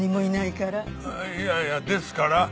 いやいやですから。